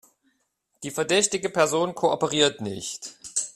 Die verdächtige Person kooperiert nicht.